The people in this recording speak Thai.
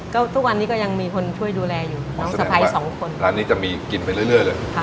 ก็ทุกวันนี้ก็ยังมีคนช่วยดูแลอยู่สะพายสองคนร้านนี้จะมีกินไปเรื่อยเลย